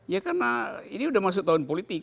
ya karena ini udah masuk tahun politik